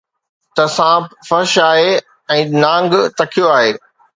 ته سانپ فرش آهي ۽ نانگ تکيو آهي